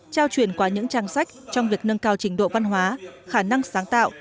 trao truyền qua những trang sách trong việc nâng cao trình độ văn hóa khả năng sáng tạo